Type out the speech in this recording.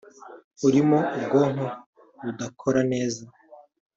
urimo ubwonko budakora neza